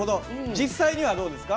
実際にはどうですか？